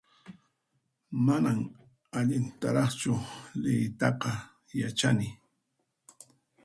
Manan allintaraqchu liyiytaqa yachani